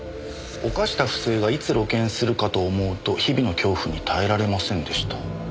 「犯した不正がいつ露見するかと思うと日々の恐怖に耐えられませんでした」